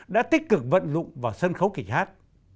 đã tích cực vận dụng vào sân khấu kịch hát